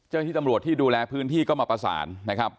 ที่ตำรวจที่ดูแลพื้นที่ก็มาประสานนะครับ